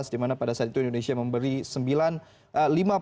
dimana pada saat itu indonesia memberi sembilan lima pesawat